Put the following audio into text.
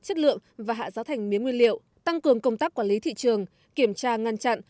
chất lượng và hạ giá thành mía nguyên liệu tăng cường công tác quản lý thị trường kiểm tra ngăn chặn